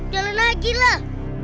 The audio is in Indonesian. jalan lagi lah